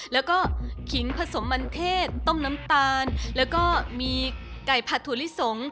แล้วก็ขิงผสมมันเทศต้มน้ำตาลแล้วก็มีไก่ผัดถั่วลิสง